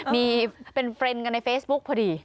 มีเป็นเฟรนด์กันในเฟซบุ๊คพอดี